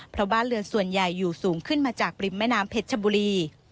เพราะบ้านเรือนส่วนใหญ่อยู่สูงขึ้นมาจากริมแม่น้ำเพชรชบุรี